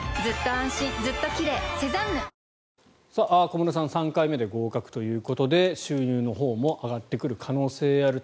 小室さん３回目で合格ということで収入のほうも上がってくる可能性がある。